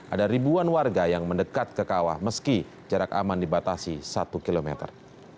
ada ribuan warga yang mendekat ke kawah meski jarak aman dibatasi satu kilometer